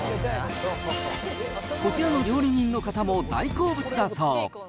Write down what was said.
こちらの料理人の方も大好物だそう。